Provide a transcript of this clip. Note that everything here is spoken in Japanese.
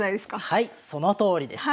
はいそのとおりです。